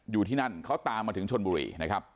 อยู่ที่นั่นเขาตามมาถึงชนบุรีนะครับ